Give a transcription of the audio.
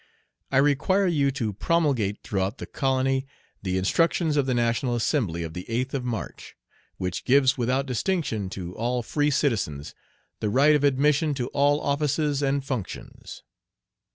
I require you to promulgate throughout the colony the instructions of the National Assembly of the 8th of March, which gives without distinction, to all free citizens, the right of admission to all offices and functions.